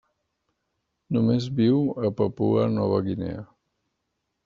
Només viu a Papua Nova Guinea.